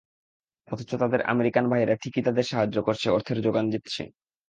অথচ তাদের আমেরিকান ভাইয়েরা ঠিকই তাদের সাহায্য করছে, অর্থের জোগান দিচ্ছে।